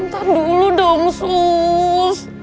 bentar dulu dong sus